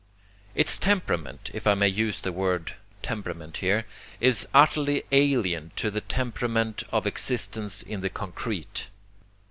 Its temperament, if I may use the word temperament here, is utterly alien to the temperament of existence in the concrete.